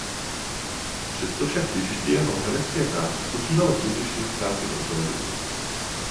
Přesto však těžiště jeho herecké práce spočívalo především v práci pro televizi.